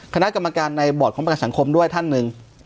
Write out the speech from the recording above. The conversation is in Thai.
คณะกรรมการในบอร์ดของประกันสังคมด้วยท่านหนึ่ง